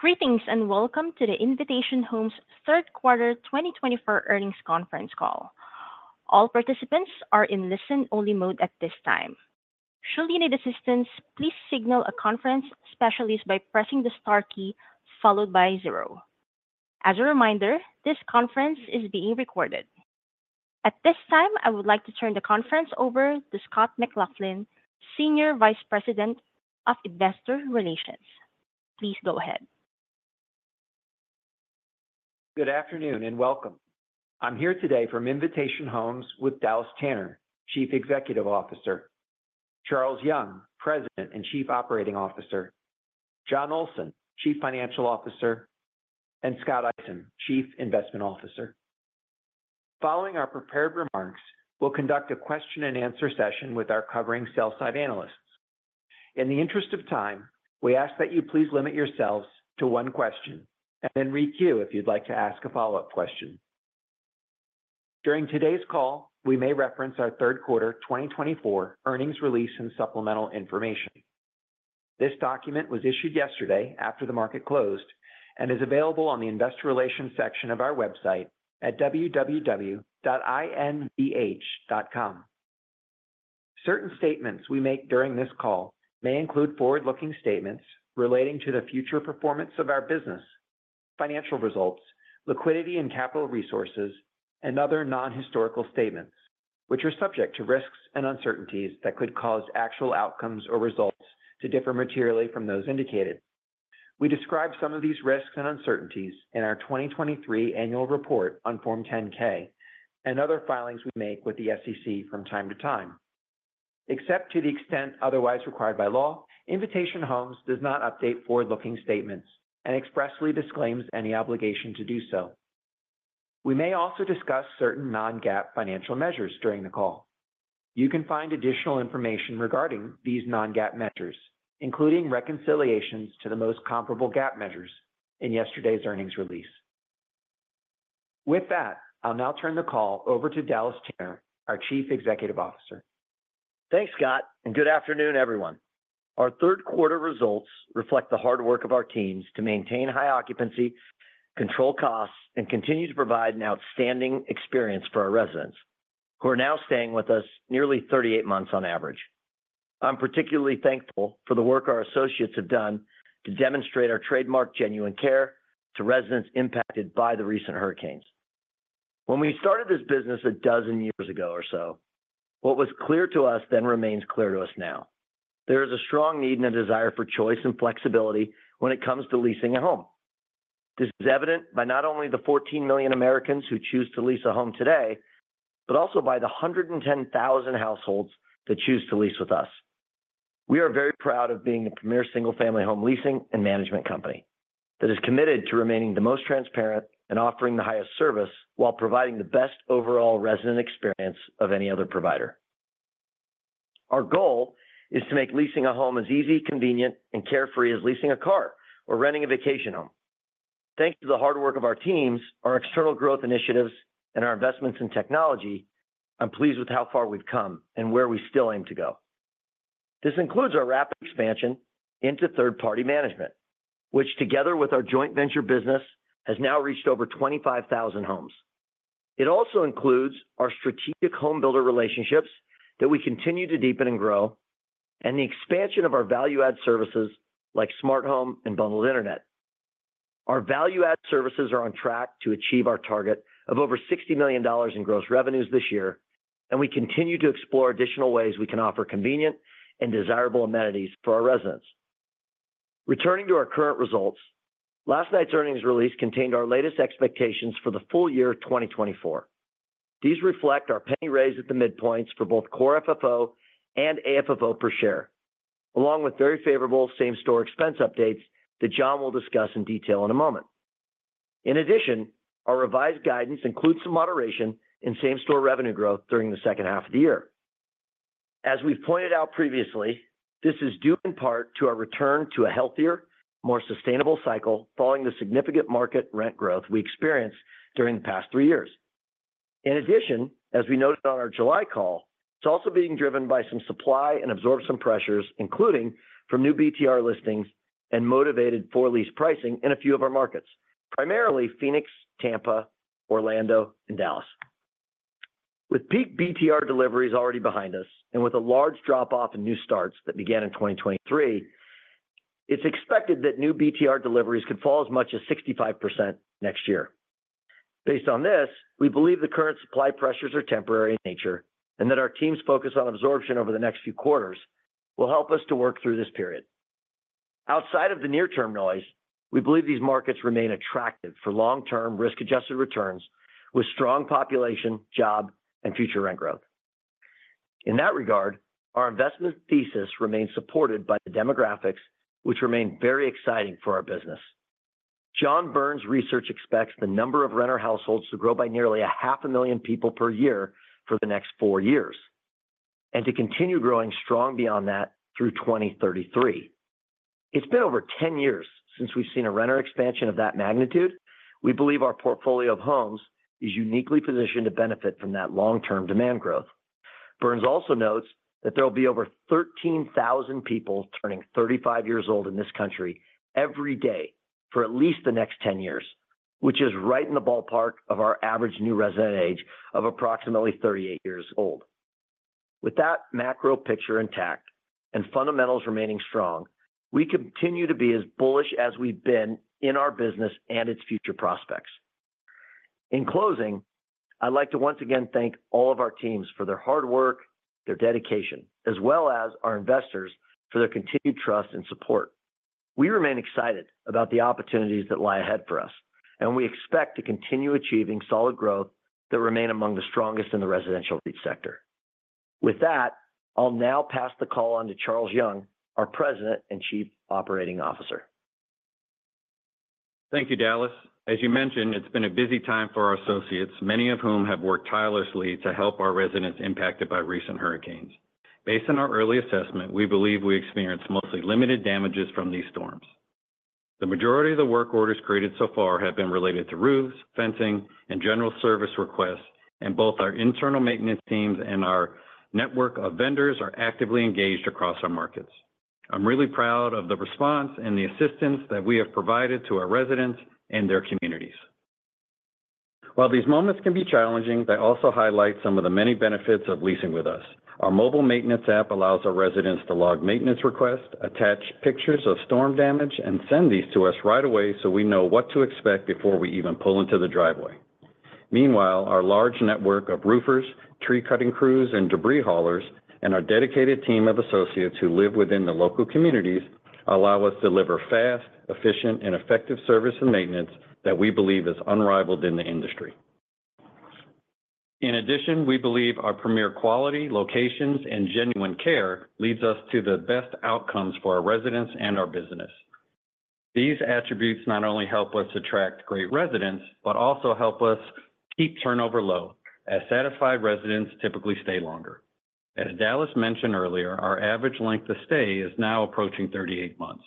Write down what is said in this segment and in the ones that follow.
Greetings and welcome to the Invitation Homes Q3 2024 Earnings Conference Call. All participants are in listen-only mode at this time. Should you need assistance, please signal a conference specialist by pressing the star key followed by zero. As a reminder, this conference is being recorded. At this time, I would like to turn the conference over to Scott McLaughlin, Senior Vice President of Investor Relations. Please go ahead. Good afternoon and welcome. I'm here today from Invitation Homes with Dallas Tanner, Chief Executive Officer, Charles Young, President and Chief Operating Officer, Jon Olsen, Chief Financial Officer, and Scott Eisen, Chief Investment Officer. Following our prepared remarks, we'll conduct a Q&A session with our covering sell-side analysts. In the interest of time, we ask that you please limit yourselves to one question and then requeue if you'd like to ask a follow-up question. During today's call, we may reference our Q3 2024 earnings release and supplemental information. This document was issued yesterday after the market closed and is available on the Investor Relations section of our website at www.invh.com. Certain statements we make during this call may include forward-looking statements relating to the future performance of our business, financial results, liquidity and capital resources, and other non-historical statements, which are subject to risks and uncertainties that could cause actual outcomes or results to differ materially from those indicated. We describe some of these risks and uncertainties in our 2023 annual report on Form 10-K and other filings we make with the SEC from time to time. Except to the extent otherwise required by law, Invitation Homes does not update forward-looking statements and expressly disclaims any obligation to do so. We may also discuss certain non-GAAP financial measures during the call. You can find additional information regarding these non-GAAP measures, including reconciliations to the most comparable GAAP measures in yesterday's earnings release. With that, I'll now turn the call over to Dallas Tanner, our Chief Executive Officer. Thanks, Scott, and good afternoon, everyone. Our Q3 results reflect the hard work of our teams to maintain high occupancy, control costs, and continue to provide an outstanding experience for our residents, who are now staying with us nearly 38 months on average. I'm particularly thankful for the work our associates have done to demonstrate our trademark genuine care to residents impacted by the recent hurricanes. When we started this business a dozen years ago or so, what was clear to us then remains clear to us now. There is a strong need and a desire for choice and flexibility when it comes to leasing a home. This is evident by not only the 14 million Americans who choose to lease a home today, but also by the 110,000 households that choose to lease with us. We are very proud of being the premier single-family home leasing and management company that is committed to remaining the most transparent and offering the highest service while providing the best overall resident experience of any other provider. Our goal is to make leasing a home as easy, convenient, and carefree as leasing a car or renting a vacation home. Thanks to the hard work of our teams, our external growth initiatives, and our investments in technology, I'm pleased with how far we've come and where we still aim to go. This includes our rapid expansion into third-party management, which, together with our joint venture business, has now reached over 25,000 homes. It also includes our strategic homebuilder relationships that we continue to deepen and grow, and the expansion of our value-added services like smart home and bundled internet. Our value-added services are on track to achieve our target of over $60 million in gross revenues this year, and we continue to explore additional ways we can offer convenient and desirable amenities for our residents. Returning to our current results, last night's earnings release contained our latest expectations for the full year 2024. These reflect our penny raise at the midpoints for both core FFO and AFFO per share, along with very favorable same-store expense updates that Jon will discuss in detail in a moment. In addition, our revised guidance includes some moderation in same-store revenue growth during the H2 of the year. As we've pointed out previously, this is due in part to our return to a healthier, more sustainable cycle following the significant market rent growth we experienced during the past three years. In addition, as we noted on our July call, it's also being driven by some supply and absorption pressures, including from new BTR listings and motivated for lease pricing in a few of our markets, primarily Phoenix, Tampa, Orlando, and Dallas. With peak BTR deliveries already behind us and with a large drop-off in new starts that began in 2023, it's expected that new BTR deliveries could fall as much as 65% next year. Based on this, we believe the current supply pressures are temporary in nature and that our team's focus on absorption over the next few quarters will help us to work through this period. Outside of the near-term noise, we believe these markets remain attractive for long-term risk-adjusted returns with strong population, job, and future rent growth. In that regard, our investment thesis remains supported by the demographics, which remain very exciting for our business. John Burns research expects the number of renter households to grow by nearly 500,000 people per year for the next four years and to continue growing strong beyond that through 2033. It's been over 10 years since we've seen a renter expansion of that magnitude. We believe our portfolio of homes is uniquely positioned to benefit from that long-term demand growth. Burns also notes that there will be over 13,000 people turning 35 years old in this country every day for at least the next 10 years, which is right in the ballpark of our average new resident age of approximately 38 years old. With that macro picture intact and fundamentals remaining strong, we continue to be as bullish as we've been in our business and its future prospects. In closing, I'd like to once again thank all of our teams for their hard work, their dedication, as well as our investors for their continued trust and support. We remain excited about the opportunities that lie ahead for us, and we expect to continue achieving solid growth that remains among the strongest in the residential rental sector. With that, I'll now pass the call on to Charles Young, our President and Chief Operating Officer. Thank you, Dallas. As you mentioned, it's been a busy time for our associates, many of whom have worked tirelessly to help our residents impacted by recent hurricanes. Based on our early assessment, we believe we experienced mostly limited damages from these storms. The majority of the work orders created so far have been related to roofs, fencing, and general service requests, and both our internal maintenance teams and our network of vendors are actively engaged across our markets. I'm really proud of the response and the assistance that we have provided to our residents and their communities. While these moments can be challenging, they also highlight some of the many benefits of leasing with us. Our mobile maintenance app allows our residents to log maintenance requests, attach pictures of storm damage, and send these to us right away so we know what to expect before we even pull into the driveway. Meanwhile, our large network of roofers, tree-cutting crews, and debris haulers, and our dedicated team of associates who live within the local communities allow us to deliver fast, efficient, and effective service and maintenance that we believe is unrivaled in the industry. In addition, we believe our premier quality, locations, and genuine care leads us to the best outcomes for our residents and our business. These attributes not only help us attract great residents, but also help us keep turnover low, as satisfied residents typically stay longer. As Dallas mentioned earlier, our average length of stay is now approaching 38 months,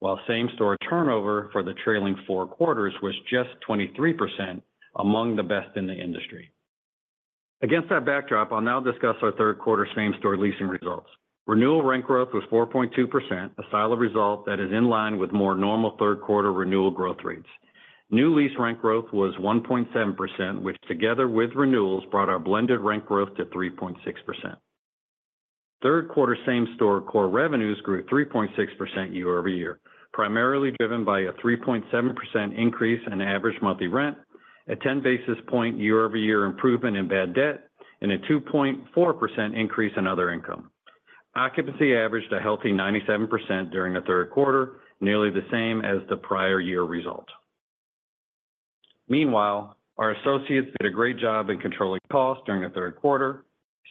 while same-store turnover for the trailing four-quarters was just 23% among the best in the industry. Against that backdrop, I'll now discuss our Q3 same-store leasing results. Renewal rent growth was 4.2%, a solid result that is in line with more normal Q3 renewal growth rates. New lease rent growth was 1.7%, which together with renewals brought our blended rent growth to 3.6%. Q3 same-store core revenues grew 3.6% year over year, primarily driven by a 3.7% increase in average monthly rent, a 10 basis points year over year improvement in bad debt, and a 2.4% increase in other income. Occupancy averaged a healthy 97% during Q3, nearly the same as the prior year result. Meanwhile, our associates did a great job in controlling costs during Q3.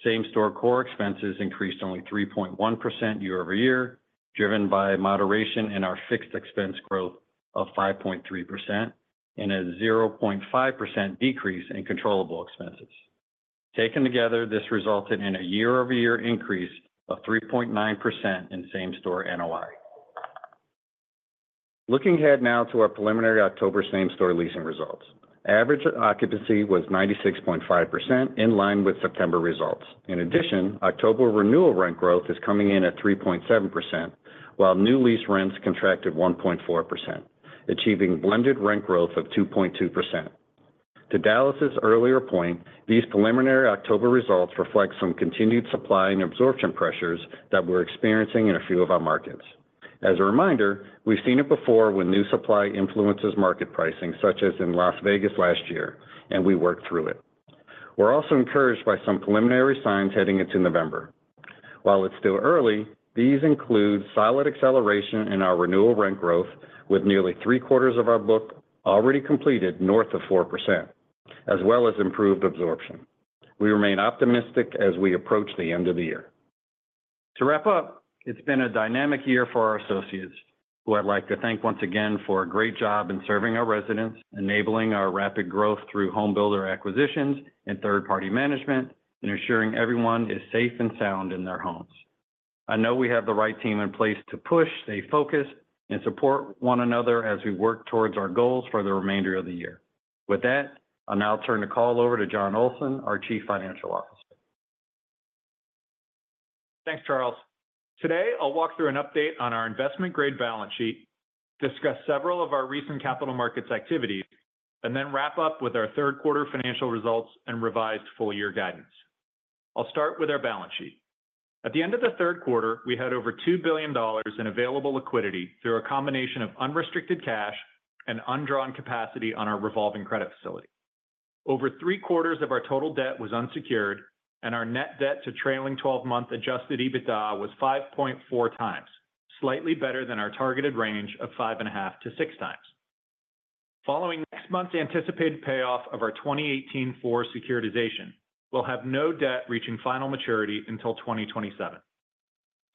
Same-store core expenses increased only 3.1% year over year, driven by moderation in our fixed expense growth of 5.3% and a 0.5% decrease in controllable expenses. Taken together, this resulted in a year-over-year increase of 3.9% in same-store NOI. Looking ahead now to our preliminary October same-store leasing results, average occupancy was 96.5%, in line with September results. In addition, October renewal rent growth is coming in at 3.7%, while new lease rents contracted 1.4%, achieving blended rent growth of 2.2%. To Dallas's earlier point, these preliminary October results reflect some continued supply and absorption pressures that we're experiencing in a few of our markets. As a reminder, we've seen it before when new supply influences market pricing, such as in Las Vegas last year, and we worked through it. We're also encouraged by some preliminary signs heading into November. While it's still early, these include solid acceleration in our renewal rent growth, with nearly three-quarters of our book already completed north of 4%, as well as improved absorption. We remain optimistic as we approach the end of the year. To wrap up, it's been a dynamic year for our associates, who I'd like to thank once again for a great job in serving our residents, enabling our rapid growth through homebuilder acquisitions and third-party management, and ensuring everyone is safe and sound in their homes. I know we have the right team in place to push, stay focused, and support one another as we work towards our goals for the remainder of the year. With that, I'll now turn the call over to Jon Olsen, our Chief Financial Officer. Thanks, Charles. Today, I'll walk through an update on our investment-grade balance sheet, discuss several of our recent capital markets activities, and then wrap up with our Q3 financial results and revised full-year guidance. I'll start with our balance sheet. At the end of the Q3, we had over $2 billion in available liquidity through a combination of unrestricted cash and undrawn capacity on our revolving credit facility. Over three-quarters of our total debt was unsecured, and our net debt to trailing 12-month adjusted EBITDA was 5.4 times, slightly better than our targeted range of 5.5-6 times. Following next month's anticipated payoff of our 2018-04 securitization, we'll have no debt reaching final maturity until 2027.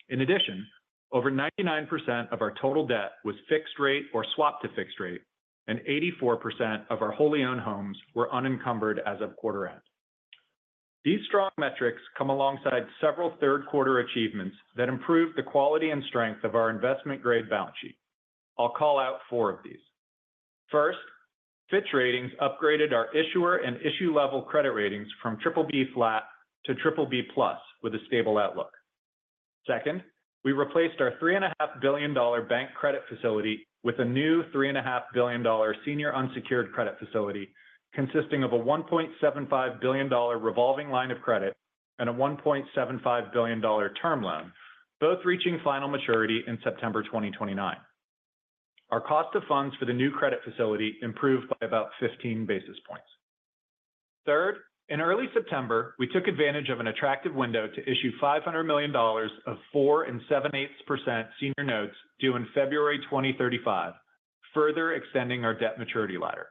In addition, over 99% of our total debt was fixed-rate or swapped to fixed-rate, and 84% of our wholly-owned homes were unencumbered as of quarter end. These strong metrics come alongside several Q3 achievements that improved the quality and strength of our investment-grade balance sheet. I'll call out four of these. First, Fitch Ratings upgraded our issuer and issue-level credit ratings from BBB flat to BBB plus with a stable outlook. Second, we replaced our $3.5 billion bank credit facility with a new $3.5 billion senior unsecured credit facility, consisting of a $1.75 billion revolving line of credit and a $1.75 billion term loan, both reaching final maturity in September 2029. Our cost of funds for the new credit facility improved by about 15 basis points. Third, in early September, we took advantage of an attractive window to issue $500 million of 4.78% senior notes due in February 2035, further extending our debt maturity ladder.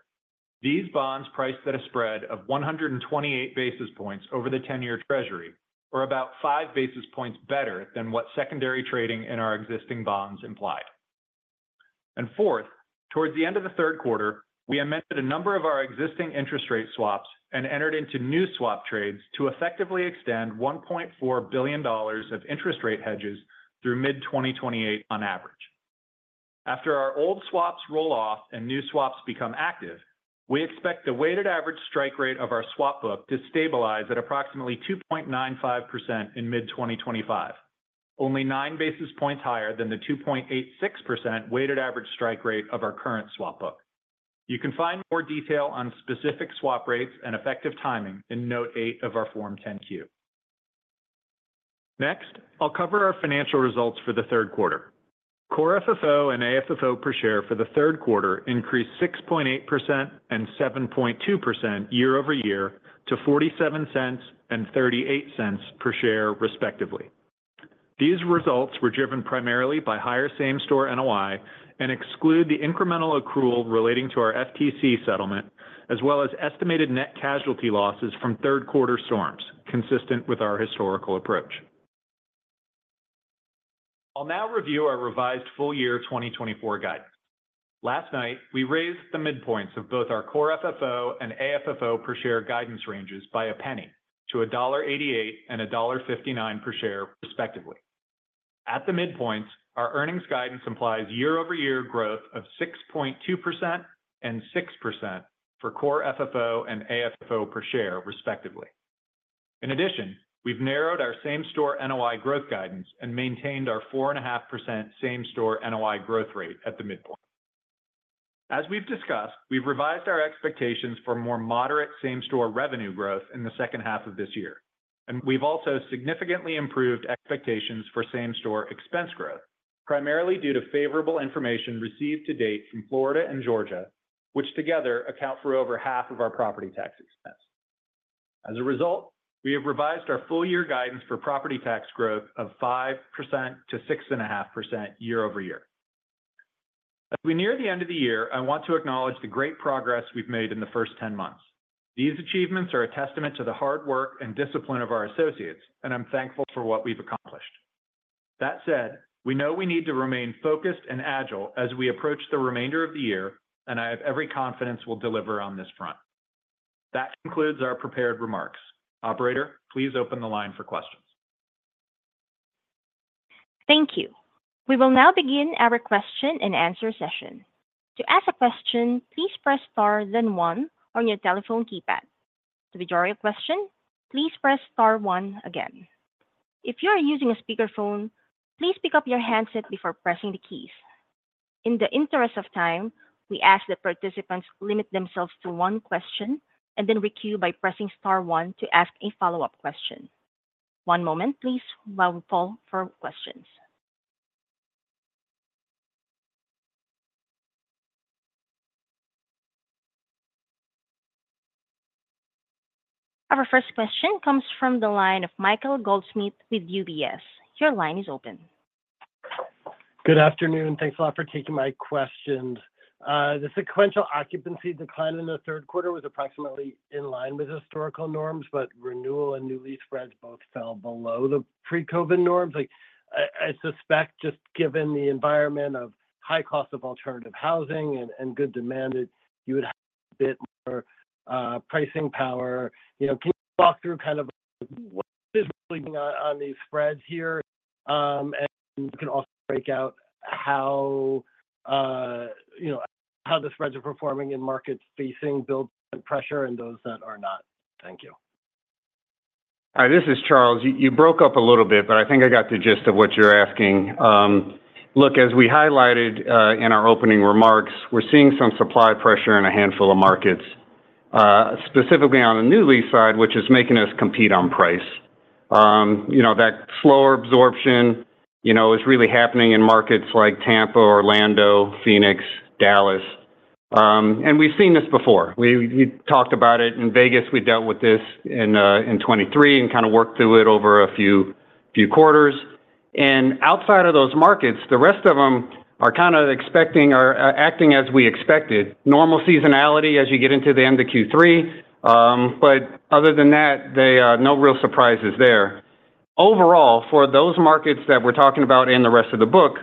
These bonds priced at a spread of 128 basis points over the 10-year treasury, or about five basis points better than what secondary trading in our existing bonds implied, and fourth, towards the end of the Q3, we amended a number of our existing interest rate swaps and entered into new swap trades to effectively extend $1.4 billion of interest rate hedges through mid-2028 on average. After our old swaps roll off and new swaps become active, we expect the weighted average strike rate of our swap book to stabilize at approximately 2.95% in mid-2025, only nine basis points higher than the 2.86% weighted average strike rate of our current swap book. You can find more detail on specific swap rates and effective timing in Note 8 of our Form 10-Q. Next, I'll cover our financial results for the Q3. Core FFO and AFFO per share for the Q3 increased 6.8% and 7.2% year over year to $0.47 and $0.38 per share, respectively. These results were driven primarily by higher same-store NOI and exclude the incremental accrual relating to our FTC settlement, as well as estimated net casualty losses from Q3 storms, consistent with our historical approach. I'll now review our revised full-year 2024 guidance. Last night, we raised the midpoints of both our core FFO and AFFO per share guidance ranges by a penny to $1.88 and $1.59 per share, respectively. At the midpoints, our earnings guidance implies year-over-year growth of 6.2% and 6% for core FFO and AFFO per share, respectively. In addition, we've narrowed our same-store NOI growth guidance and maintained our 4.5% same-store NOI growth rate at the midpoint. As we've discussed, we've revised our expectations for more moderate same-store revenue growth in the H2 of this year, and we've also significantly improved expectations for same-store expense growth, primarily due to favorable information received to date from Florida and Georgia, which together account for over half of our property tax expense. As a result, we have revised our full-year guidance for property tax growth of 5%-6.5% year over year. As we near the end of the year, I want to acknowledge the great progress we've made in the first 10 months. These achievements are a testament to the hard work and discipline of our associates, and I'm thankful for what we've accomplished. That said, we know we need to remain focused and agile as we approach the remainder of the year, and I have every confidence we'll deliver on this front. That concludes our prepared remarks. Operator, please open the line for questions. Thank you. We will now begin our Q&A session. To ask a question, please press star then one on your telephone keypad. To withdraw your question, please press star one again. If you are using a speakerphone, please pick up your handset before pressing the keys. In the interest of time, we ask that participants limit themselves to one question and then requeue by pressing star one to ask a follow-up question. One moment, please, while we pull for questions. Our first question comes from the line of Michael Goldsmith with UBS. Your line is open. Good afternoon. Thanks a lot for taking my question. The sequential occupancy decline in the Q3 was approximately in line with historical norms, but renewal and new lease spreads both fell below the pre-COVID norms. I suspect just given the environment of high cost of alternative housing and good demand, you would have a bit more pricing power. Can you walk through kind of what is really on these spreads here? And you can also break out how the spreads are performing in markets facing build-up pressure and those that are not. Thank you. All right. This is Charles. You broke up a little bit, but I think I got the gist of what you're asking. Look, as we highlighted in our opening remarks, we're seeing some supply pressure in a handful of markets, specifically on the new lease side, which is making us compete on price. That slower absorption is really happening in markets like Tampa, Orlando, Phoenix, Dallas, and we've seen this before. We talked about it in Vegas. We dealt with this in 2023 and kind of worked through it over a few quarters, and outside of those markets, the rest of them are kind of acting as we expected: normal seasonality as you get into the end of Q3, but other than that, no real surprises there. Overall, for those markets that we're talking about in the rest of the book,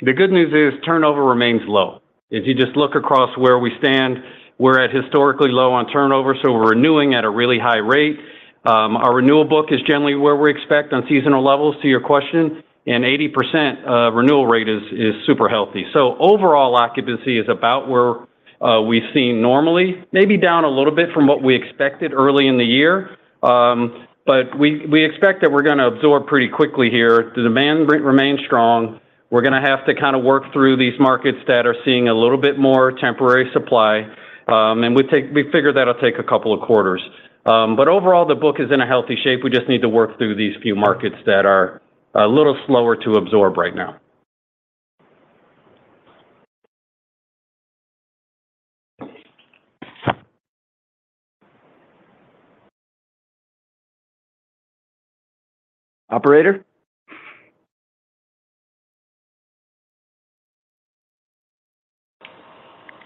the good news is turnover remains low. If you just look across where we stand, we're at historically low on turnover, so we're renewing at a really high rate. Our renewal book is generally where we expect on seasonal levels. To your question, an 80% renewal rate is super healthy. So overall, occupancy is about where we've seen normally, maybe down a little bit from what we expected early in the year. But we expect that we're going to absorb pretty quickly here. The demand remains strong. We're going to have to kind of work through these markets that are seeing a little bit more temporary supply. And we figure that'll take a couple of quarters. But overall, the book is in a healthy shape. We just need to work through these few markets that are a little slower to absorb right now. Operator.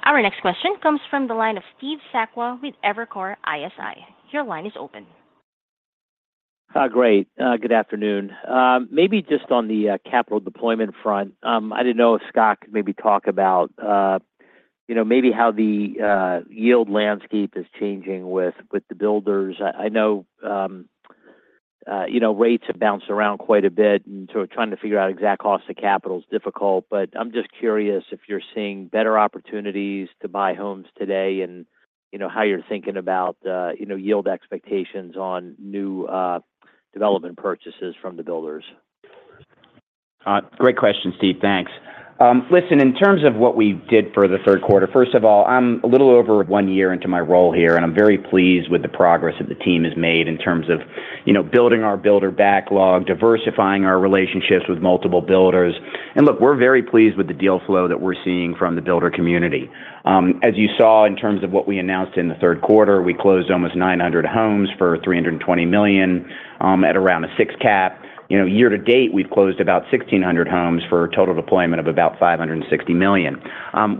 Our next question comes from the line of Steve Sakwa with Evercore ISI. Your line is open. Hi, Greg. Good afternoon. Maybe just on the capital deployment front, I didn't know if Scott could maybe talk about maybe how the yield landscape is changing with the builders. I know rates have bounced around quite a bit, and so trying to figure out exact cost of capital is difficult. But I'm just curious if you're seeing better opportunities to buy homes today and how you're thinking about yield expectations on new development purchases from the builders. Great question, Steve. Thanks. Listen, in terms of what we did for the Q3, first of all, I'm a little over one year into my role here, and I'm very pleased with the progress that the team has made in terms of building our builder backlog, diversifying our relationships with multiple builders. And look, we're very pleased with the deal flow that we're seeing from the builder community. As you saw in terms of what we announced in the Q3, we closed almost 900 homes for $320 million at around a six-cap. Year to date, we've closed about 1,600 homes for a total deployment of about $560 million.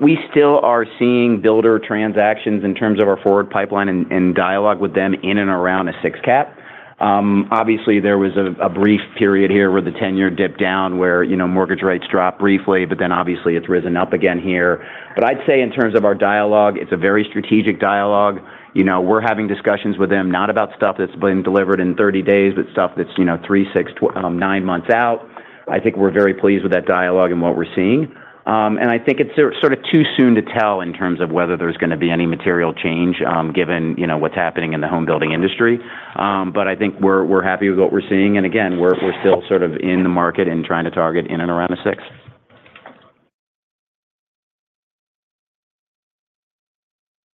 We still are seeing builder transactions in terms of our forward pipeline and dialogue with them in and around a six-cap. Obviously, there was a brief period here where the 10-year dipped down, where mortgage rates dropped briefly, but then obviously it's risen up again here. But I'd say in terms of our dialogue, it's a very strategic dialogue. We're having discussions with them not about stuff that's been delivered in 30 days, but stuff that's three, six, nine months out. I think we're very pleased with that dialogue and what we're seeing. And I think it's sort of too soon to tell in terms of whether there's going to be any material change given what's happening in the homebuilding industry. But I think we're happy with what we're seeing. And again, we're still sort of in the market and trying to target in and around a six.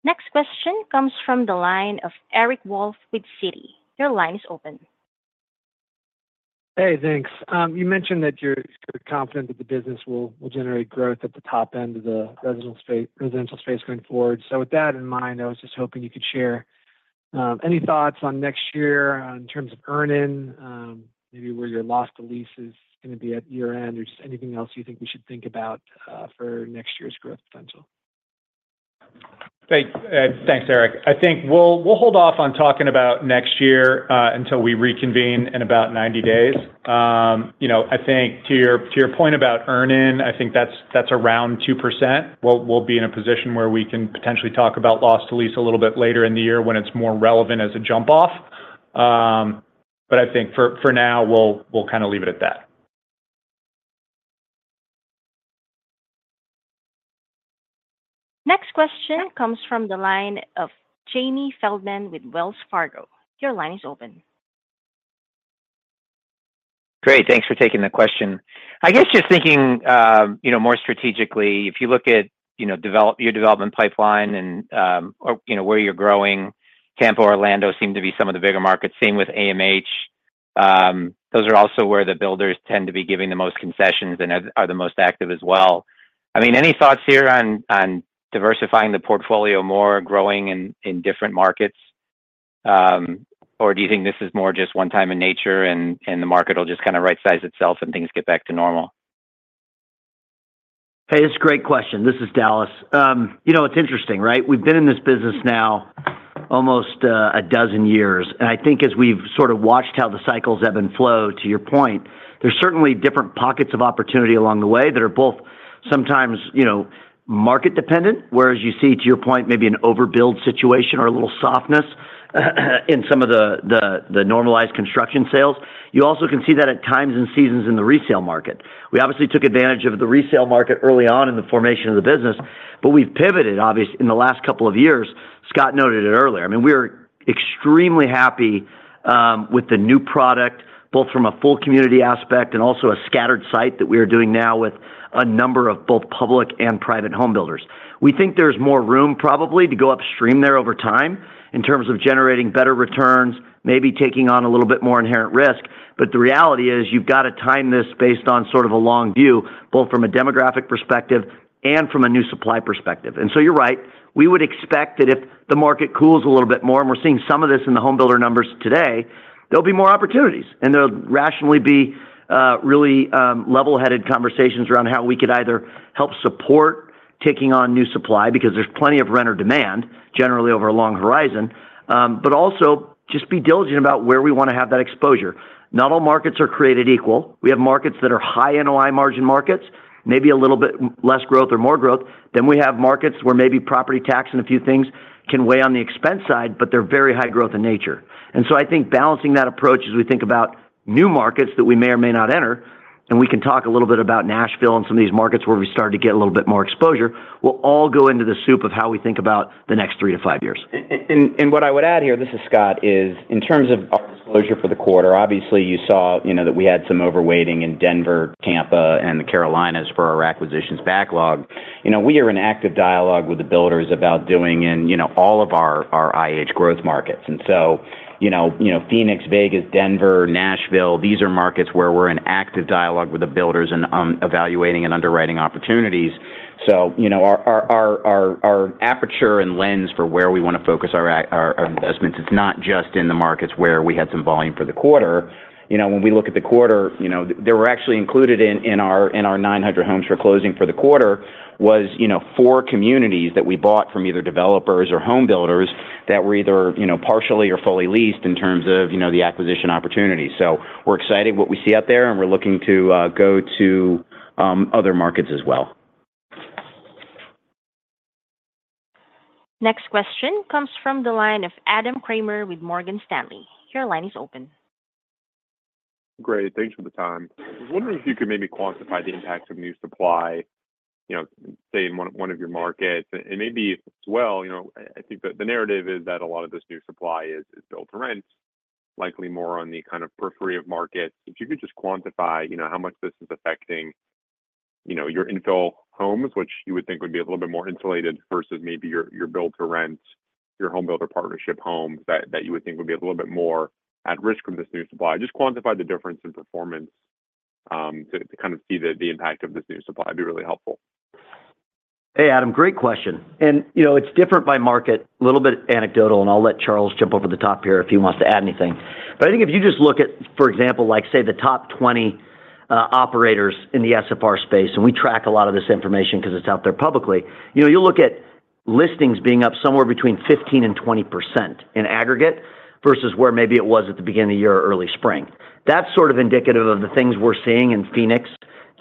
Next question comes from the line of Eric Wolfe with Citi. Your line is open. Hey, thanks. You mentioned that you're confident that the business will generate growth at the top end of the residential space going forward, so with that in mind, I was just hoping you could share any thoughts on next year in terms of earnings, maybe where your loss to lease is going to be at year-end, or just anything else you think we should think about for next year's growth potential? Thanks, Eric. I think we'll hold off on talking about next year until we reconvene in about 90 days. I think to your point about earnings, I think that's around 2%. We'll be in a position where we can potentially talk about loss to lease a little bit later in the year when it's more relevant as a jump-off. But I think for now, we'll kind of leave it at that. Next question comes from the line of Jamie Feldman with Wells Fargo. Your line is open. Great. Thanks for taking the question. I guess just thinking more strategically, if you look at your development pipeline and where you're growing, Tampa, Orlando seem to be some of the bigger markets. Same with AMH. Those are also where the builders tend to be giving the most concessions and are the most active as well. I mean, any thoughts here on diversifying the portfolio more, growing in different markets? Or do you think this is more just one-time in nature and the market will just kind of right-size itself and things get back to normal? Hey, it's a great question. This is Dallas. It's interesting, right? We've been in this business now almost a dozen years. I think as we've sort of watched how the cycles ebb and flow, to your point, there's certainly different pockets of opportunity along the way that are both sometimes market-dependent, whereas you see, to your point, maybe an overbuild situation or a little softness in some of the normalized construction sales. You also can see that at times and seasons in the resale market. We obviously took advantage of the resale market early on in the formation of the business, but we've pivoted, obviously, in the last couple of years. Scott noted it earlier. I mean, we're extremely happy with the new product, both from a full community aspect and also a scattered site that we are doing now with a number of both public and private homebuilders. We think there's more room probably to go upstream there over time in terms of generating better returns, maybe taking on a little bit more inherent risk. But the reality is you've got to time this based on sort of a long view, both from a demographic perspective and from a new supply perspective. And so you're right. We would expect that if the market cools a little bit more and we're seeing some of this in the homebuilder numbers today, there'll be more opportunities. And there'll rationally be really level-headed conversations around how we could either help support taking on new supply because there's plenty of renter demand, generally over a long horizon, but also just be diligent about where we want to have that exposure. Not all markets are created equal. We have markets that are high NOI margin markets, maybe a little bit less growth or more growth. Then we have markets where maybe property tax and a few things can weigh on the expense side, but they're very high growth in nature. And so I think balancing that approach as we think about new markets that we may or may not enter, and we can talk a little bit about Nashville and some of these markets where we started to get a little bit more exposure, will all go into the soup of how we think about the next three to five years. And what I would add here, this is Scott, is in terms of our disclosure for the quarter, obviously you saw that we had some overweighting in Denver, Tampa, and the Carolinas for our acquisitions backlog. We are in active dialogue with the builders about doing in all of our IH growth markets, and so Phoenix, Vegas, Denver, Nashville, these are markets where we're in active dialogue with the builders and evaluating and underwriting opportunities, so our aperture and lens for where we want to focus our investments, it's not just in the markets where we had some volume for the quarter. When we look at the quarter, they were actually included in our 900 homes for closing for the quarter was four communities that we bought from either developers or homebuilders that were either partially or fully leased in terms of the acquisition opportunity, so we're excited what we see out there, and we're looking to go to other markets as well. Next question comes from the line of Adam Kramer with Morgan Stanley. Your line is open. Great. Thanks for the time. I was wondering if you could maybe quantify the impact of new supply, say, in one of your markets, and maybe as well, I think the narrative is that a lot of this new supply is build-to-rents, likely more on the kind of periphery of markets. If you could just quantify how much this is affecting your infill homes, which you would think would be a little bit more insulated versus maybe your build-to-rents, your homebuilder partnership homes that you would think would be a little bit more at risk from this new supply. Just quantify the difference in performance to kind of see the impact of this new supply would be really helpful. Hey, Adam. Great question. And it's different by market, a little bit anecdotal, and I'll let Charles jump over the top here if he wants to add anything. But I think if you just look at, for example, say, the top 20 operators in the SFR space, and we track a lot of this information because it's out there publicly, you'll look at listings being up somewhere between 15%-20% in aggregate versus where maybe it was at the beginning of the year or early spring. That's sort of indicative of the things we're seeing in Phoenix,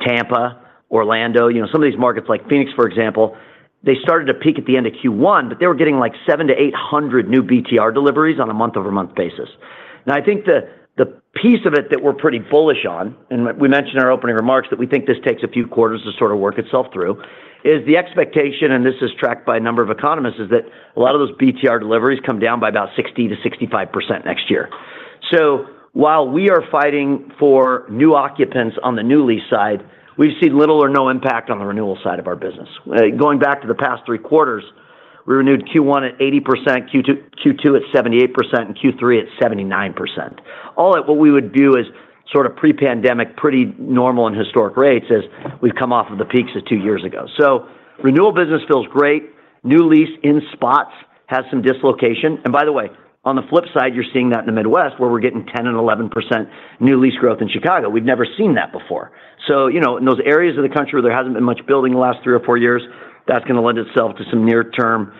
Tampa, Orlando. Some of these markets like Phoenix, for example, they started to peak at the end of Q1, but they were getting like 700-800 new BTR deliveries on a month-over-month basis. Now, I think the piece of it that we're pretty bullish on, and we mentioned in our opening remarks that we think this takes a few quarters to sort of work itself through, is the expectation, and this is tracked by a number of economists, is that a lot of those BTR deliveries come down by about 60%-65% next year. So while we are fighting for new occupants on the new lease side, we've seen little or no impact on the renewal side of our business. Going back to the past three quarters, we renewed Q1 at 80%, Q2 at 78%, and Q3 at 79%. All that what we would view as sort of pre-pandemic, pretty normal and historic rates is we've come off of the peaks of two years ago. So renewal business feels great. New lease in spots has some dislocation. And by the way, on the flip side, you're seeing that in the Midwest where we're getting 10% and 11% new lease growth in Chicago. We've never seen that before. So in those areas of the country where there hasn't been much building in the last three or four years, that's going to lend itself to some near-term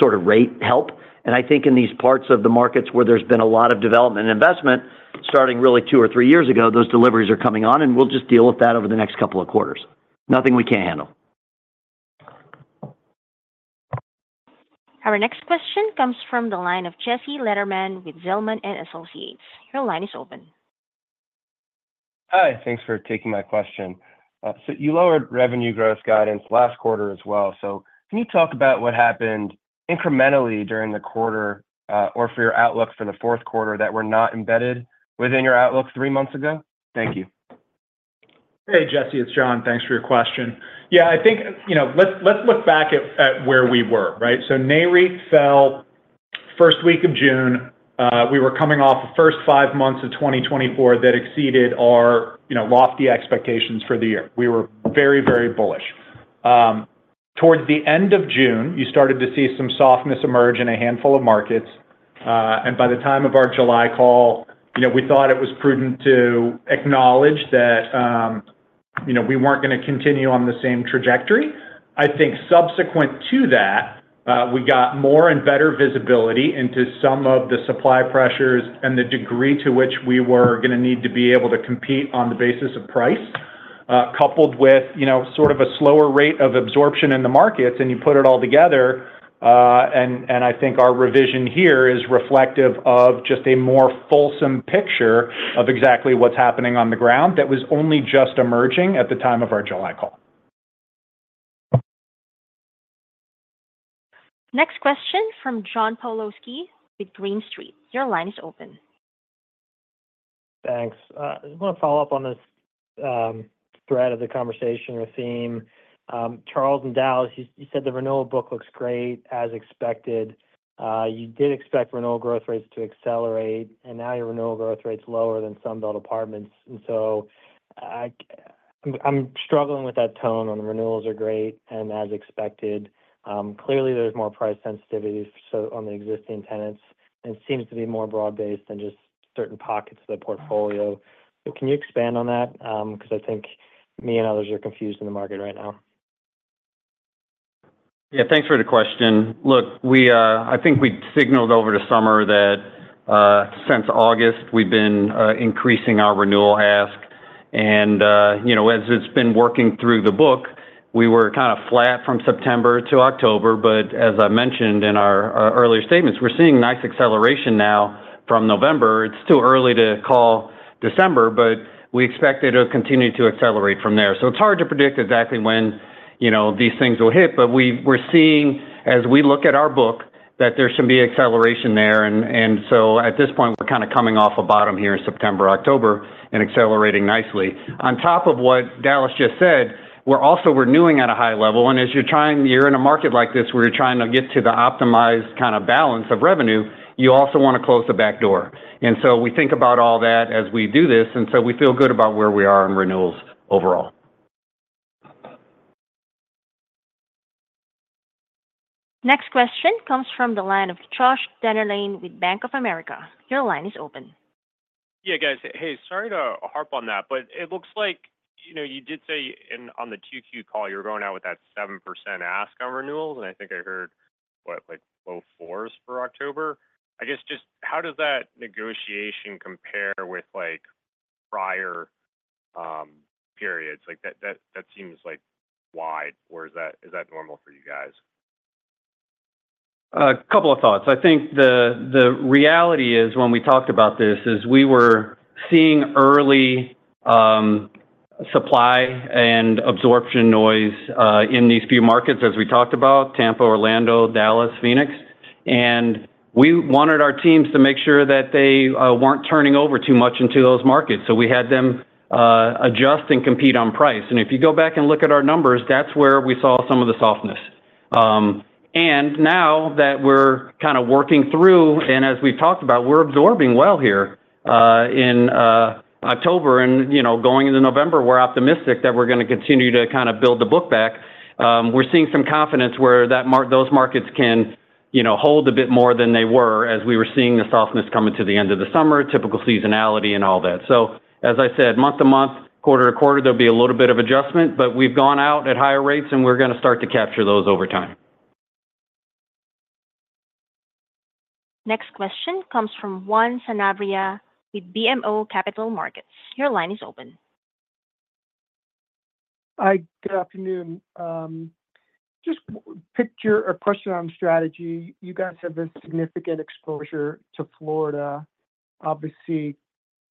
sort of rate help. And I think in these parts of the markets where there's been a lot of development and investment starting really two or three years ago, those deliveries are coming on, and we'll just deal with that over the next couple of quarters. Nothing we can't handle. Our next question comes from the line of Jesse Lederman with Zelman & Associates. Your line is open. Hi. Thanks for taking my question. So you lowered revenue growth guidance last quarter as well. So can you talk about what happened incrementally during the quarter or for your outlook for the fourth quarter that were not embedded within your outlook three months ago? Thank you. Hey, Jesse. It's Jon. Thanks for your question. I think let's look back at where we were, right? So Nareit fell first week of June. We were coming off the first five months of 2024 that exceeded our lofty expectations for the year. We were very, very bullish. Towards the end of June, you started to see some softness emerge in a handful of markets. And by the time of our July call, we thought it was prudent to acknowledge that we weren't going to continue on the same trajectory. I think subsequent to that, we got more and better visibility into some of the supply pressures and the degree to which we were going to need to be able to compete on the basis of price, coupled with sort of a slower rate of absorption in the markets. You put it all together, and I think our revision here is reflective of just a more fulsome picture of exactly what's happening on the ground that was only just emerging at the time of our July call. Next question from John Pawlowski with Green Street. Your line is open. Thanks. I want to follow up on this thread of the conversation or theme. Charles, in Dallas, you said the renewal book looks great, as expected. You did expect renewal growth rates to accelerate, and now your renewal growth rate's lower than some built apartments. And so I'm struggling with that tone on the renewals are great and as expected. Clearly, there's more price sensitivity on the existing tenants, and it seems to be more broad-based than just certain pockets of the portfolio. But can you expand on that? Because I think me and others are confused in the market right now. Thanks for the question. Look, I think we signaled over the summer that since August, we've been increasing our renewal ask. And as it's been working through the book, we were kind of flat from September to October. But as I mentioned in our earlier statements, we're seeing nice acceleration now from November. It's too early to call December, but we expect it to continue to accelerate from there, so it's hard to predict exactly when these things will hit, but we're seeing, as we look at our book, that there should be acceleration there. And so at this point, we're kind of coming off a bottom here in September, October, and accelerating nicely. On top of what Dallas just said, we're also renewing at a high level. And as you're in a market like this where you're trying to get to the optimized kind of balance of revenue, you also want to close the back door. And so we think about all that as we do this. And so we feel good about where we are in renewals overall. Next question comes from the line of Joshua Dennerlein with Bank of America. Your line is open. Guys, sorry to harp on that, but it looks like you did say on the Q2 call you were going out with that 7% ask on renewals, and I think I heard, what, like low fours for October. I guess just how does that negotiation compare with prior periods? That seems wide. Is that normal for you guys? A couple of thoughts. I think the reality is when we talked about this is we were seeing early supply and absorption noise in these few markets, as we talked about, Tampa, Orlando, Dallas, Phoenix. And we wanted our teams to make sure that they weren't turning over too much into those markets. So we had them adjust and compete on price. And if you go back and look at our numbers, that's where we saw some of the softness. And now that we're kind of working through, and as we've talked about, we're absorbing well here in October. And going into November, we're optimistic that we're going to continue to kind of build the book back. We're seeing some confidence where those markets can hold a bit more than they were as we were seeing the softness coming to the end of the summer, typical seasonality and all that. So as I said, month to month, quarter to quarter, there'll be a little bit of adjustment, but we've gone out at higher rates, and we're going to start to capture those over time. Next question comes from Juan Sanabria with BMO Capital Markets. Your line is open. Hi. Good afternoon. Just a question on strategy. You guys have a significant exposure to Florida. Obviously,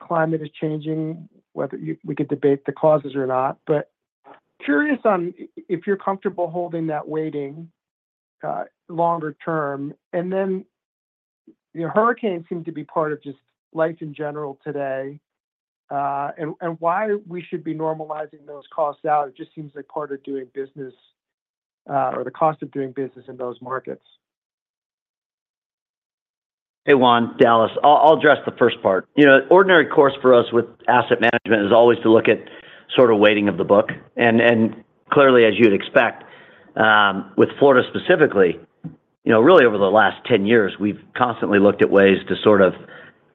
climate is changing, whether we could debate the causes or not. But curious on if you're comfortable holding that weighting longer term. And then hurricanes seem to be part of just life in general today. And why we should be normalizing those costs out? It just seems like part of doing business or the cost of doing business in those markets. Hey, Juan, Dallas. I'll address the first part. Ordinary course for us with asset management is always to look at sort of weighting of the book. And clearly, as you'd expect, with Florida specifically, really over the last 10 years, we've constantly looked at ways to sort of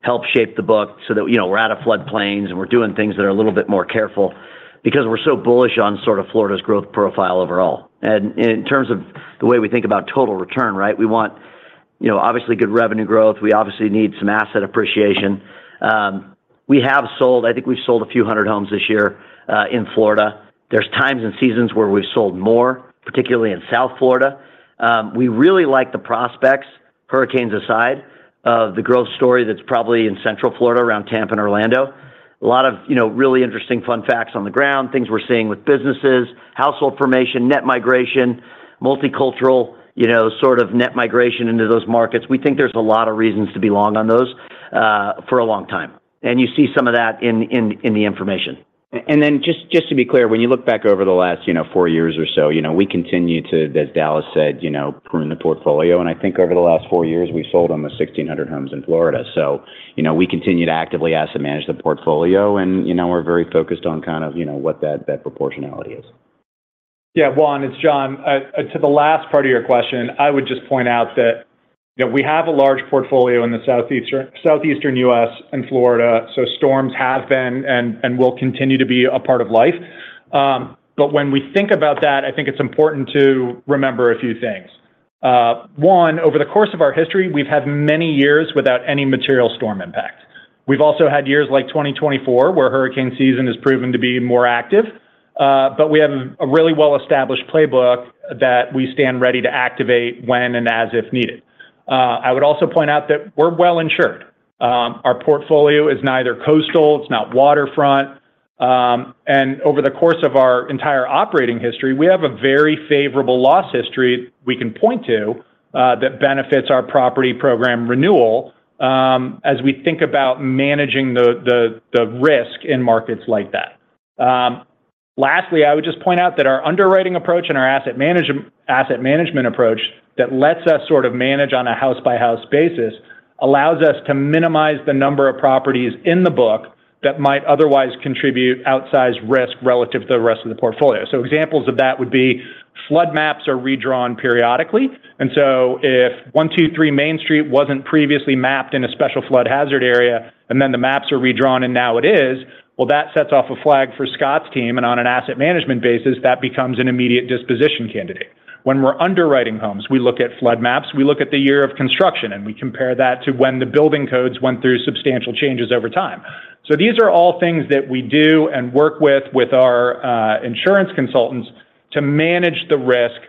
help shape the book so that we're out of floodplains and we're doing things that are a little bit more careful because we're so bullish on sort of Florida's growth profile overall. And in terms of the way we think about total return, right, we want obviously good revenue growth. We obviously need some asset appreciation. We have sold. I think we've sold a few hundred homes this year in Florida. There's times and seasons where we've sold more, particularly in South Florida. We really like the prospects, hurricanes aside, of the growth story that's probably in Central Florida around Tampa and Orlando. A lot of really interesting fun facts on the ground, things we're seeing with businesses, household formation, net migration, multicultural sort of net migration into those markets. We think there's a lot of reasons to be long on those for a long time. And you see some of that in the information. And then just to be clear, when you look back over the last four years or so, we continue to, as Dallas said, prune the portfolio. And I think over the last four years, we've sold almost 1,600 homes in Florida. So we continue to actively asset manage the portfolio, and we're very focused on kind of what that proportionality is. Juan, it's Jon. To the last part of your question, I would just point out that we have a large portfolio in the southeastern U.S. and Florida. So storms have been and will continue to be a part of life. But when we think about that, I think it's important to remember a few things. One, over the course of our history, we've had many years without any material storm impact. We've also had years like 2024 where hurricane season has proven to be more active. But we have a really well-established playbook that we stand ready to activate when and as if needed. I would also point out that we're well insured. Our portfolio is neither coastal. It's not waterfront. Over the course of our entire operating history, we have a very favorable loss history we can point to that benefits our property program renewal as we think about managing the risk in markets like that. Lastly, I would just point out that our underwriting approach and our asset management approach that lets us sort of manage on a house-by-house basis allows us to minimize the number of properties in the book that might otherwise contribute outsized risk relative to the rest of the portfolio. Examples of that would be flood maps are redrawn periodically. If 123 Main Street wasn't previously mapped in a special flood hazard area, and then the maps are redrawn and now it is, well, that sets off a flag for Scott's team. On an asset management basis, that becomes an immediate disposition candidate. When we're underwriting homes, we look at flood maps, we look at the year of construction, and we compare that to when the building codes went through substantial changes over time, so these are all things that we do and work with our insurance consultants to manage the risk,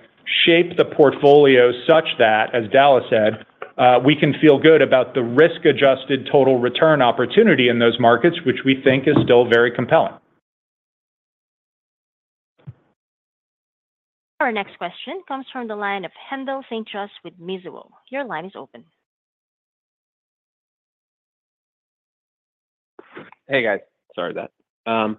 shape the portfolio such that, as Dallas said, we can feel good about the risk-adjusted total return opportunity in those markets, which we think is still very compelling. Our next question comes from the line of Haendel St. Juste with Mizuho. Your line is open. Hey, guys. Sorry about that.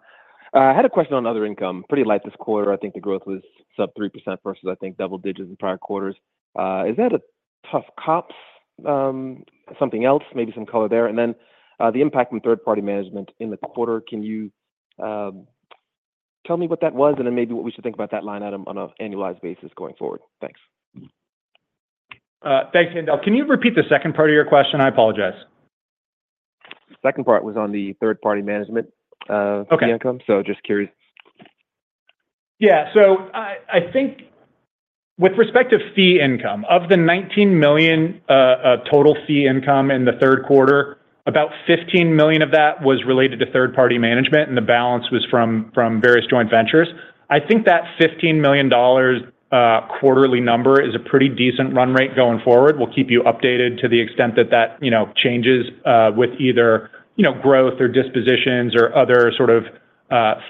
I had a question on other income. Pretty light this quarter. I think the growth was sub 3% versus, I think, double digits in prior quarters. Is that a tough comps, something else, maybe some color there? And then the impact from third-party management in the quarter, can you tell me what that was? And then maybe what we should think about that line item on an annualized basis going forward. Thanks. Thanks, Haendel. Can you repeat the second part of your question? I apologize. Second part was on the third-party management of the income. So just curious. So I think with respect to fee income, of the $19 million total fee income in the third quarter, about $15 million of that was related to third-party management, and the balance was from various joint ventures. I think that $15 million quarterly number is a pretty decent run rate going forward. We'll keep you updated to the extent that that changes with either growth or dispositions or other sort of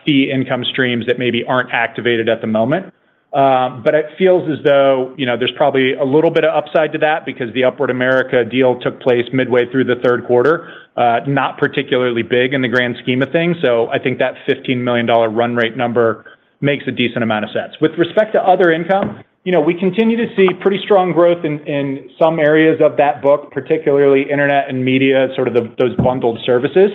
fee income streams that maybe aren't activated at the moment. But it feels as though there's probably a little bit of upside to that because the Upward America deal took place midway through the third quarter, not particularly big in the grand scheme of things. So I think that $15 million run rate number makes a decent amount of sense. With respect to other income, we continue to see pretty strong growth in some areas of that book, particularly internet and media, sort of those bundled services.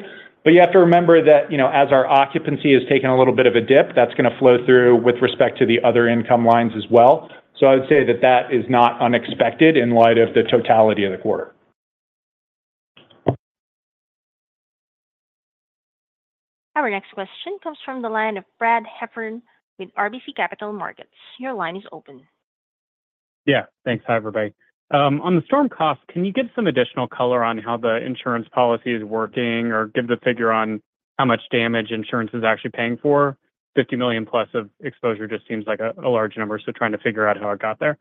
But you have to remember that as our occupancy has taken a little bit of a dip, that's going to flow through with respect to the other income lines as well. So I would say that that is not unexpected in light of the totality of the quarter. Our next question comes from the line of Brad Heffern with RBC Capital Markets. Your line is open. Thanks. Hi, everybody. On the storm costs, can you give some additional color on how the insurance policy is working or give the figure on how much damage insurance is actually paying for? $50 million plus of exposure just seems like a large number, so trying to figure out how it got there.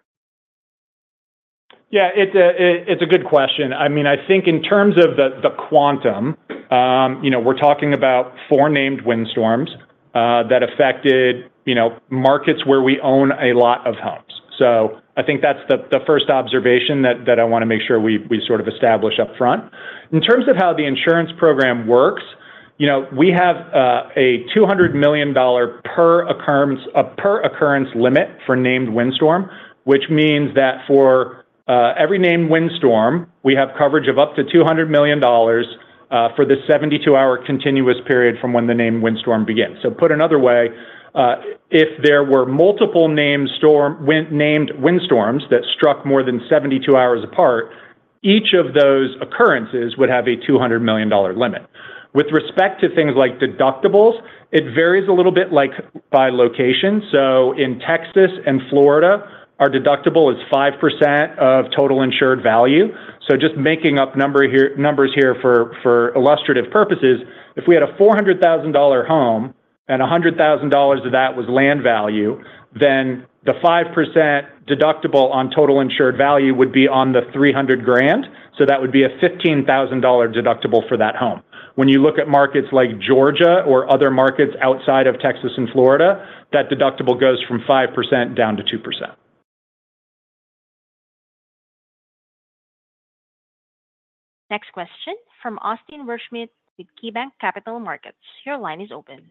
It's a good question. I mean, I think in terms of the quantum, we're talking about four named windstorms that affected markets where we own a lot of homes. So I think that's the first observation that I want to make sure we sort of establish upfront. In terms of how the insurance program works, we have a $200 million per occurrence limit for named windstorm, which means that for every named windstorm, we have coverage of up to $200 million for the 72-hour continuous period from when the named windstorm begins. So put another way, if there were multiple named windstorms that struck more than 72 hours apart, each of those occurrences would have a $200 million limit. With respect to things like deductibles, it varies a little bit by location. So in Texas and Florida, our deductible is 5% of total insured value. Just making up numbers here for illustrative purposes, if we had a $400,000 home and $100,000 of that was land value, then the 5% deductible on total insured value would be on the 300 grand. That would be a $15,000 deductible for that home. When you look at markets like Georgia or other markets outside of Texas and Florida, that deductible goes from 5% down to 2%. Next question from Austin Werschmidt with KeyBank Capital Markets. Your line is open.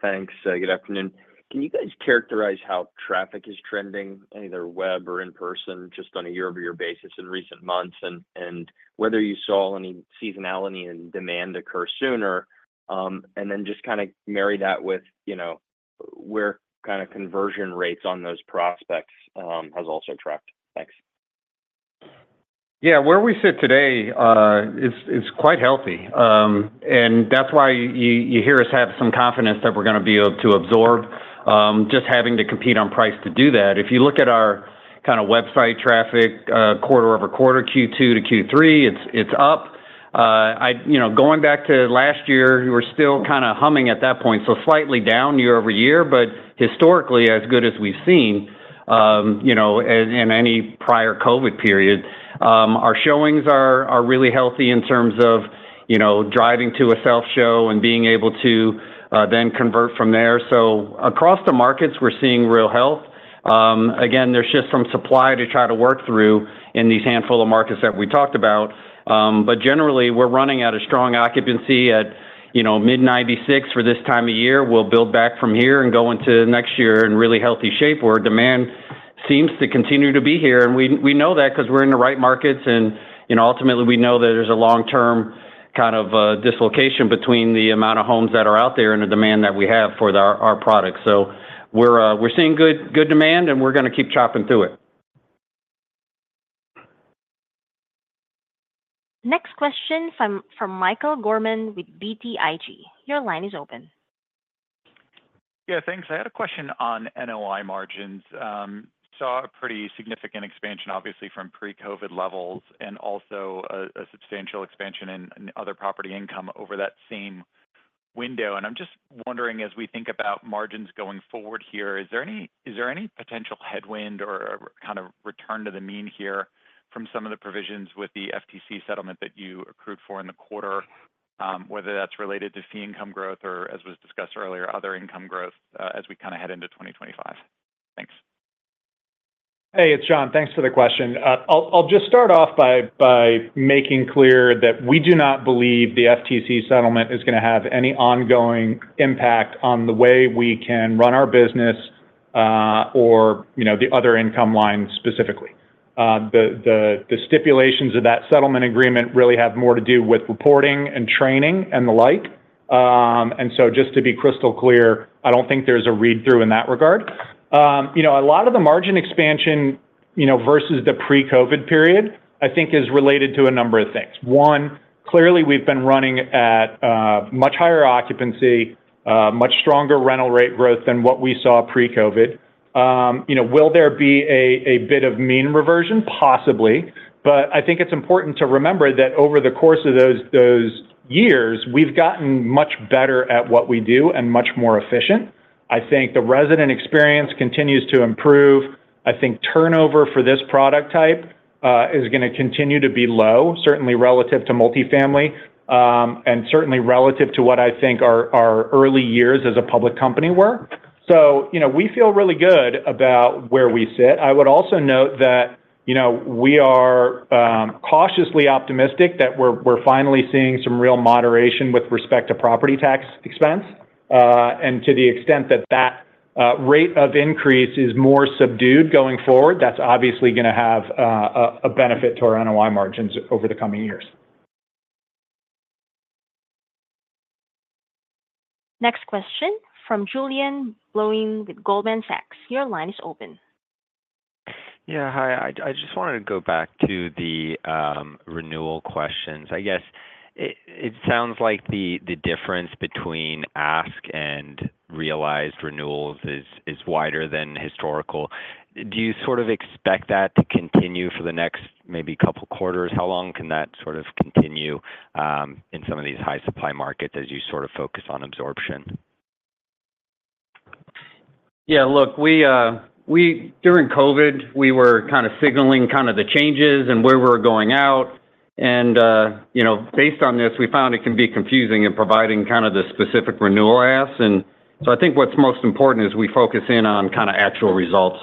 Thanks. Good afternoon. Can you guys characterize how traffic is trending, either web or in-person, just on a year-over-year basis in recent months and whether you saw any seasonality and demand occur sooner? And then just kind of marry that with where kind of conversion rates on those prospects have also tracked. Thanks. Where we sit today is quite healthy. And that's why you hear us have some confidence that we're going to be able to absorb just having to compete on price to do that. If you look at our kind of website traffic quarter over quarter, Q2 to Q3, it's up. Going back to last year, we were still kind of humming at that point, so slightly down year over year. But historically, as good as we've seen in any prior COVID period, our showings are really healthy in terms of driving to a self-show and being able to then convert from there. So across the markets, we're seeing real health. Again, there's just some supply to try to work through in these handful of markets that we talked about. But generally, we're running at a strong occupancy at mid-96% for this time of year. We'll build back from here and go into next year in really healthy shape where demand seems to continue to be here, and we know that because we're in the right markets, and ultimately, we know that there's a long-term kind of dislocation between the amount of homes that are out there and the demand that we have for our products, so we're seeing good demand, and we're going to keep chopping through it. Next question from Michael Gorman with BTIG. Your line is open. Thanks. I had a question on NOI margins. Saw a pretty significant expansion, obviously, from pre-COVID levels and also a substantial expansion in other property income over that same window. And I'm just wondering, as we think about margins going forward here, is there any potential headwind or kind of return to the mean here from some of the provisions with the FTC settlement that you accrued for in the quarter, whether that's related to fee income growth or, as was discussed earlier, other income growth as we kind of head into 2025? Thanks. Hey, it's Jon. Thanks for the question. I'll just start off by making clear that we do not believe the FTC settlement is going to have any ongoing impact on the way we can run our business or the other income lines specifically. The stipulations of that settlement agreement really have more to do with reporting and training and the like. And so just to be crystal clear, I don't think there's a read-through in that regard. A lot of the margin expansion versus the pre-COVID period, I think, is related to a number of things. One, clearly, we've been running at much higher occupancy, much stronger rental rate growth than what we saw pre-COVID. Will there be a bit of mean reversion? Possibly. But I think it's important to remember that over the course of those years, we've gotten much better at what we do and much more efficient. I think the resident experience continues to improve. I think turnover for this product type is going to continue to be low, certainly relative to multifamily and certainly relative to what I think our early years as a public company were, so we feel really good about where we sit. I would also note that we are cautiously optimistic that we're finally seeing some real moderation with respect to property tax expense, and to the extent that that rate of increase is more subdued going forward, that's obviously going to have a benefit to our NOI margins over the coming years. Next question from Julian Blouin with Goldman Sachs. Your line is open. Hi. I just wanted to go back to the renewal questions. I guess it sounds like the difference between ask and realized renewals is wider than historical. Do you sort of expect that to continue for the next maybe couple of quarters? How long can that sort of continue in some of these high-supply markets as you sort of focus on absorption? Look, during COVID, we were kind of signaling kind of the changes and where we were going out, and based on this, we found it can be confusing in providing kind of the specific renewal asks. And so I think what's most important is we focus in on kind of actual results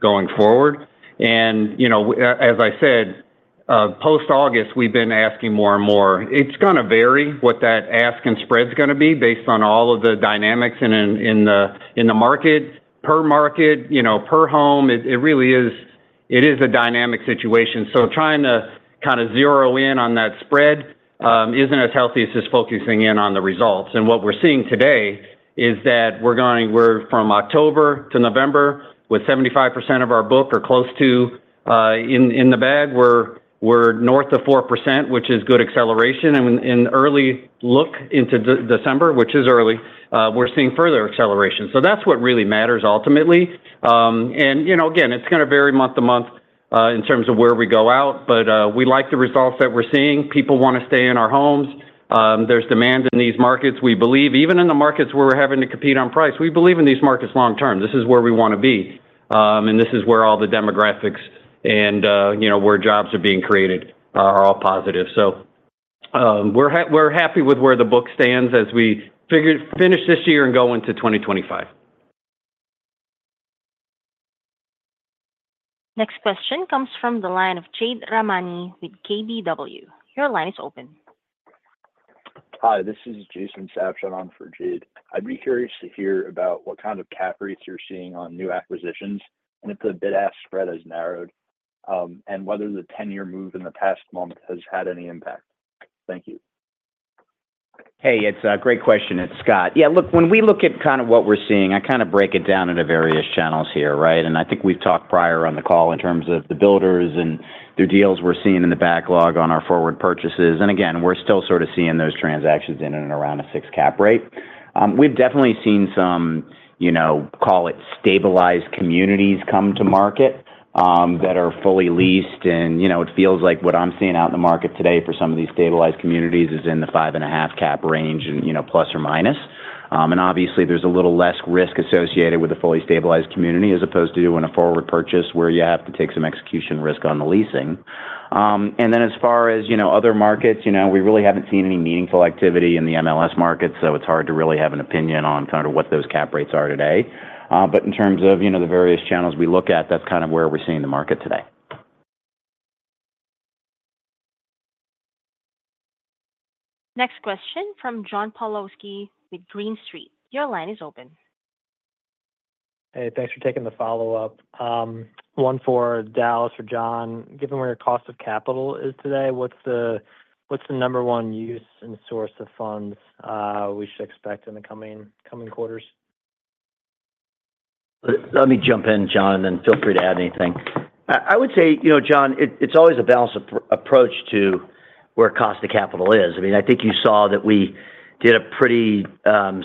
going forward, and as I said, post-August, we've been asking more and more. It's going to vary what that ask and spread's going to be based on all of the dynamics in the market, per market, per home. It really is a dynamic situation, so trying to kind of zero in on that spread isn't as healthy as just focusing in on the results. And what we're seeing today is that we're from October to November with 75% of our book or close to in the bag. We're north of 4%, which is good acceleration. In an early look into December, which is early, we're seeing further acceleration. So that's what really matters ultimately. And again, it's going to vary month to month in terms of where we go out. But we like the results that we're seeing. People want to stay in our homes. There's demand in these markets. We believe, even in the markets where we're having to compete on price, we believe in these markets long-term. This is where we want to be. And this is where all the demographics and where jobs are being created are all positive. So we're happy with where the book stands as we finish this year and go into 2025. Next question comes from the line of Jade Rahmani with KBW. Your line is open. Hi. This is Jason Sabshon on for Jade. I'd be curious to hear about what kind of cap rates you're seeing on new acquisitions and if the bid-ask spread has narrowed and whether the 10-year move in the past month has had any impact. Thank you. Hey, it's a great question. It's Scott. Look, when we look at kind of what we're seeing, I kind of break it down into various channels here, right? And I think we've talked prior on the call in terms of the builders and the deals we're seeing in the backlog on our forward purchases. And again, we're still sort of seeing those transactions in and around a six cap rate. We've definitely seen some, call it stabilized communities come to market that are fully leased. And it feels like what I'm seeing out in the market today for some of these stabilized communities is in the five-and-a-half cap range and plus or minus. And obviously, there's a little less risk associated with a fully stabilized community as opposed to doing a forward purchase where you have to take some execution risk on the leasing. And then as far as other markets, we really haven't seen any meaningful activity in the MLS market, so it's hard to really have an opinion on kind of what those cap rates are today. But in terms of the various channels we look at, that's kind of where we're seeing the market today. Next question from John Pawlowski with Green Street. Your line is open. Hey, thanks for taking the follow-up. One for Dallas or Jon. Given where your cost of capital is today, what's the number one use and source of funds we should expect in the coming quarters? Let me jump in, Jon, and then feel free to add anything. I would say, John, it's always a balanced approach to where cost of capital is. I mean, I think you saw that we did a pretty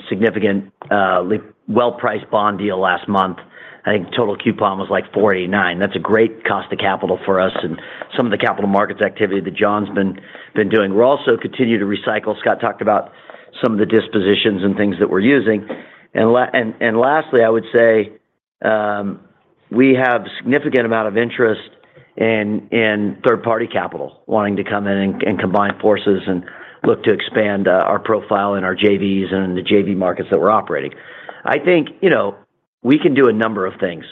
significant well-priced bond deal last month. I think total coupon was like 489. That's a great cost of capital for us and some of the capital markets activity that Jon's been doing. We're also continuing to recycle. Scott talked about some of the dispositions and things that we're using. And lastly, I would say we have a significant amount of interest in third-party capital wanting to come in and combine forces and look to expand our profile in our JVs and in the JV markets that we're operating. I think we can do a number of things.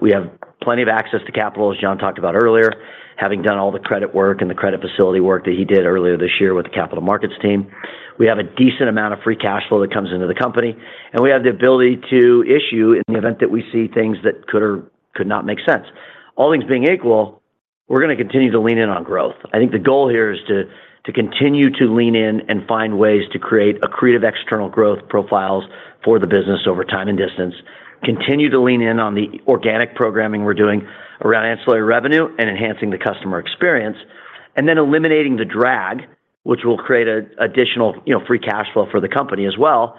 We have plenty of access to capital, as Jon talked about earlier, having done all the credit work and the credit facility work that he did earlier this year with the capital markets team. We have a decent amount of free cash flow that comes into the company. And we have the ability to issue in the event that we see things that could not make sense. All things being equal, we're going to continue to lean in on growth. I think the goal here is to continue to lean in and find ways to create accretive external growth profiles for the business over time and distance, continue to lean in on the organic programming we're doing around ancillary revenue and enhancing the customer experience, and then eliminating the drag, which will create additional free cash flow for the company as well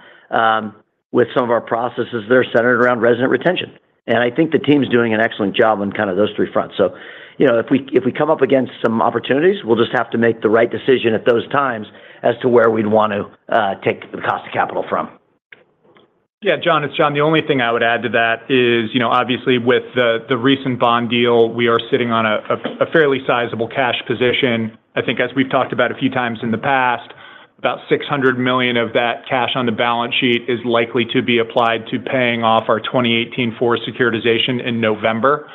with some of our processes that are centered around resident retention, and I think the team's doing an excellent job on kind of those three fronts, so if we come up against some opportunities, we'll just have to make the right decision at those times as to where we'd want to take the cost of capital from. John, it's Jon. The only thing I would add to that is, obviously, with the recent bond deal, we are sitting on a fairly sizable cash position. I think, as we've talked about a few times in the past, about $600 million of that cash on the balance sheet is likely to be applied to paying off our 2018-4 securitization in November.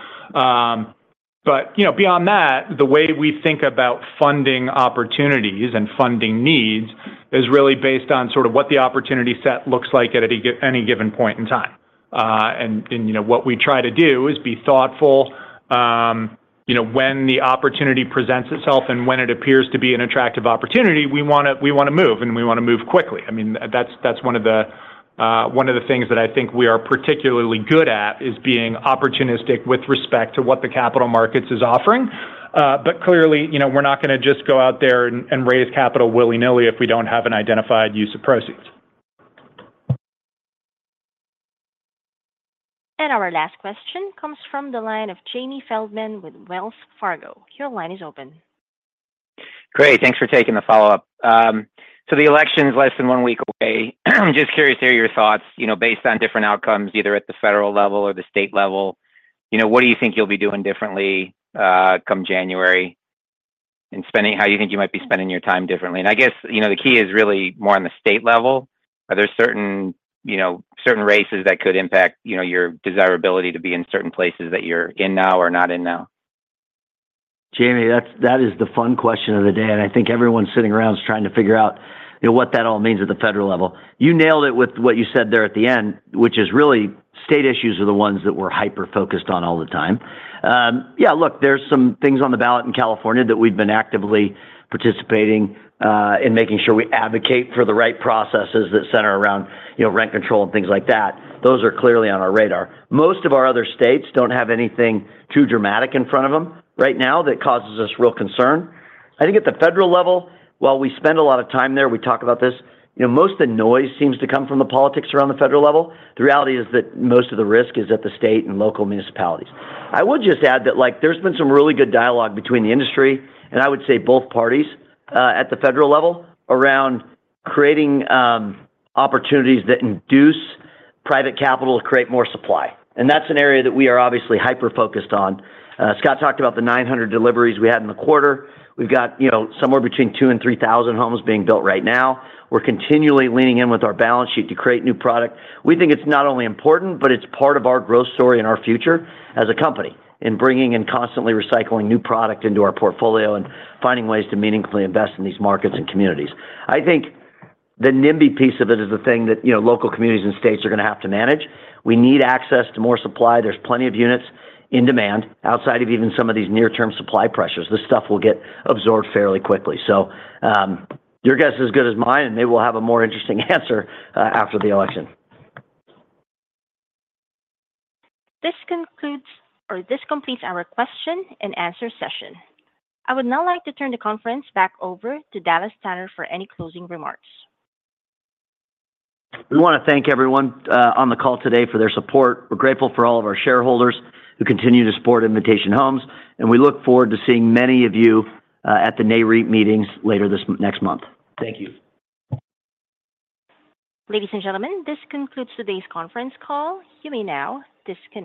But beyond that, the way we think about funding opportunities and funding needs is really based on sort of what the opportunity set looks like at any given point in time, and what we try to do is be thoughtful. When the opportunity presents itself and when it appears to be an attractive opportunity, we want to move, and we want to move quickly. I mean, that's one of the things that I think we are particularly good at is being opportunistic with respect to what the capital markets is offering. But clearly, we're not going to just go out there and raise capital willy-nilly if we don't have an identified use of proceeds. And our last question comes from the line of Jamie Feldman with Wells Fargo. Your line is open. Great. Thanks for taking the follow-up. So the election's less than one week away. I'm just curious to hear your thoughts based on different outcomes, either at the federal level or the state level. What do you think you'll be doing differently come January and how you think you might be spending your time differently? And I guess the key is really more on the state level. Are there certain races that could impact your desirability to be in certain places that you're in now or not in now? Jamie, that is the fun question of the day. And I think everyone sitting around is trying to figure out what that all means at the federal level. You nailed it with what you said there at the end, which is really state issues are the ones that we're hyper-focused on all the time. Look, there's some things on the ballot in California that we've been actively participating in making sure we advocate for the right processes that center around rent control and things like that. Those are clearly on our radar. Most of our other states don't have anything too dramatic in front of them right now that causes us real concern. I think at the federal level, while we spend a lot of time there, we talk about this, most of the noise seems to come from the politics around the federal level. The reality is that most of the risk is at the state and local municipalities. I would just add that there's been some really good dialogue between the industry, and I would say both parties at the federal level around creating opportunities that induce private capital to create more supply. And that's an area that we are obviously hyper-focused on. Scott talked about the 900 deliveries we had in the quarter. We've got somewhere between 2,000 and 3,000 homes being built right now. We're continually leaning in with our balance sheet to create new product. We think it's not only important, but it's part of our growth story and our future as a company in bringing and constantly recycling new product into our portfolio and finding ways to meaningfully invest in these markets and communities. I think the NIMBY piece of it is the thing that local communities and states are going to have to manage. We need access to more supply. There's plenty of units in demand outside of even some of these near-term supply pressures. This stuff will get absorbed fairly quickly. So your guess is as good as mine, and maybe we'll have a more interesting answer after the election. This concludes or this completes our Q&A session. I would now like to turn the conference back over to Dallas Tanner for any closing remarks. We want to thank everyone on the call today for their support. We're grateful for all of our shareholders who continue to support Invitation Homes, and we look forward to seeing many of you at the Nareit meetings later this next month. Thank you. Ladies and gentlemen, this concludes today's conference call. You may now disconnect.